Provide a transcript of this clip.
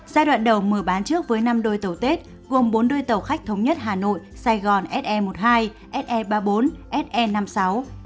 giai đoạn đầu mở bán trước với năm đôi tàu tết gồm bốn đôi tàu khách thống nhất hà nội sài gòn se một mươi hai se ba mươi bốn se năm mươi sáu se bảy mươi tám